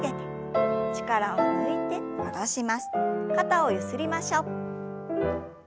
肩をゆすりましょう。